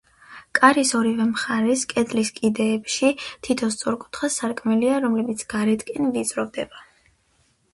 კარის ორივე მხარეს, კედლის კიდეებში, თითო სწორკუთხა სარკმელია, რომლებიც გარეთკენ ვიწროვდება.